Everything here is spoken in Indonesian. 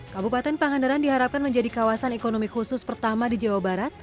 kabupaten pangandaran diharapkan menjadi kawasan ekonomi khusus pertama di jawa barat